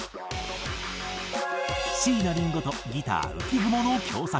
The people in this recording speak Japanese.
椎名林檎とギター浮雲の共作。